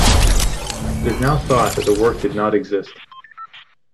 It is now thought that the work did not exist.